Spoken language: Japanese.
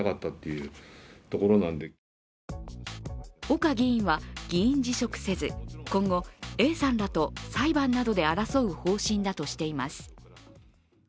岡議員は議員辞職せず今後、Ａさんらと裁判などで争う方針だとしています。